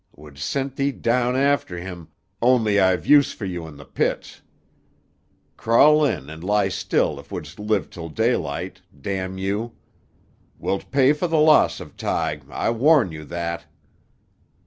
Wouldst send thee down after him, only I've use for you in tuh pits. Crawl in and lie still if wouldst live till daylight, —— you. Wilt pay for the loss of Tige, I warn you that."